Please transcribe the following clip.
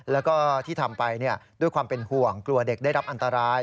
แล้วก็ที่ทำไปด้วยความเป็นห่วงกลัวเด็กได้รับอันตราย